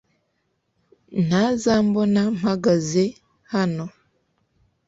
Ntazambona mpagaze hano